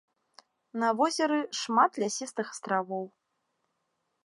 На возеры шмат лясістых астравоў.